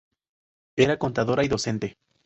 Era contadora y docente.